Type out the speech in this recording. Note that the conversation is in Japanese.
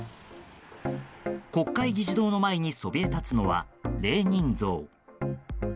国会議事堂の前にそびえ立つのはレーニン像。